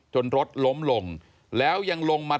รถล้มลงแล้วยังลงมา